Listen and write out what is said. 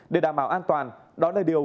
để đảm bảo an toàn đó là điều